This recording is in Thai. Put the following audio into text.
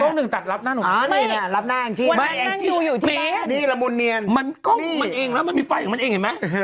ต้องหนึ่งตัดรับหน้าหนูนะครับวันนั้นนั่งดูอยู่ที่บ้านมันกล้องมันเองแล้วมันมีไฟของมันเองเห็นไหม